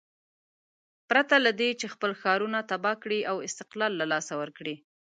پرته له دې چې خپل ښارونه تباه کړي او استقلال له لاسه ورکړي.